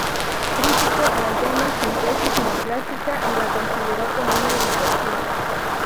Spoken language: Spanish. Criticó la llamada síntesis neoclásica y la consideró como una distorsión.